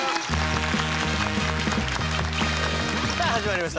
さあ始まりました